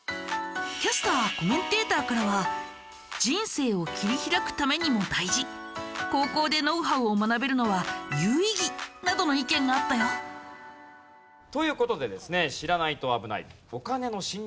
キャスター・コメンテーターからは人生を切り開くためにも大事高校でノウハウを学べるのは有意義などの意見があったよ。という事でですね